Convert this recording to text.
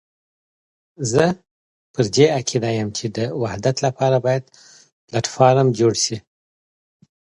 زه پر دې عقيده یم چې د وحدت لپاره باید پلاټ فورم جوړ شي.